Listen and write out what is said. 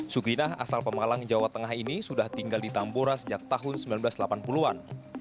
sukinah asal pemalang jawa tengah ini sudah tinggal di tambora sejak tahun seribu sembilan ratus delapan puluh an